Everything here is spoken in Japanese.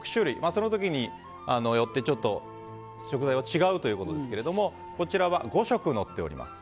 その時によって食材は違うということですけどこちらは５食のっております。